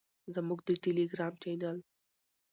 زموږ د ټیلیګرام چینل